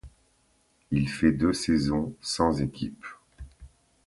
Il fait deux saisons sans équipe.